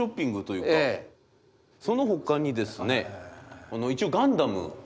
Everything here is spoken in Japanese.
そのほかにですね一応ガンダム。